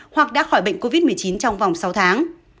hoặc đã khỏi bệnh covid một mươi chín trong vòng sáu tháng